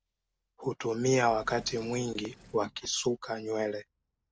Hutumia wakati mwingi wakisuka nywele